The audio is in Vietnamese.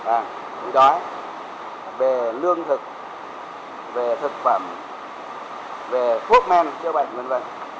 à bị đói về lương thực về thực phẩm về thuốc men chế bệnh v v